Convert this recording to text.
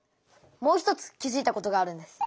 もう一つ気づいたことがあるんです。